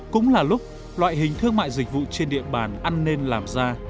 cũng là lúc loại hình thương mại dịch vụ trên địa bàn ăn nên làm ra